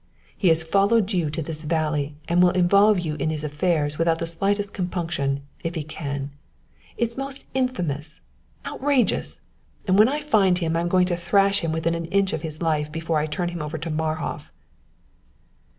He has followed you to this valley and will involve you in his affairs without the slightest compunction, if he can. It's most infamous, outrageous, and when I find him I'm going to thrash him within an inch of his life before I turn him over to Marhof!"